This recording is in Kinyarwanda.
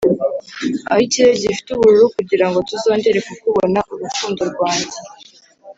aho ikirere gifite ubururu kugirango tuzongere kukubona, rukundo rwanjye